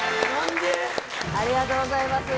ありがとうございます！